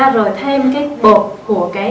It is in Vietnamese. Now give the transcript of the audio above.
rồi thêm cái bột của cái